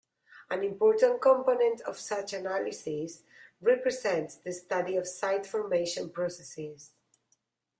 An important component of such analyses represents the study of site formation processes.